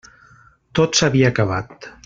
Tot s'havia acabat.